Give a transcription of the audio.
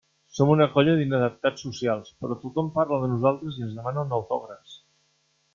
Som una colla d'inadaptats socials, però tothom parla de nosaltres i ens demanen autògrafs.